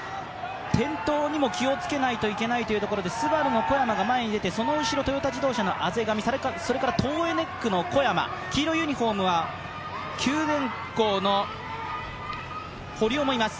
転倒にも気をつけないといけないというところで、ＳＵＢＡＲＵの小山が前に出てその後ろのトヨタ自動車の畔上、それからトーエネックの小山黄色いユニフォームは九電工の堀尾もいます。